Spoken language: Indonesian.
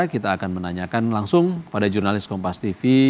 kita akan menanyakan langsung pada jurnalis kompas tv